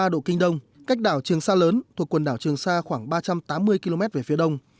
một trăm một mươi năm ba độ kinh đông cách đảo trường sa lớn thuộc quần đảo trường sa khoảng ba trăm tám mươi km về phía đông